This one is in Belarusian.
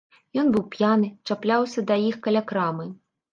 Ён быў п'яны, чапляўся да іх каля крамы.